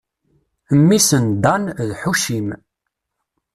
Mmi-s n Dan d Ḥucim.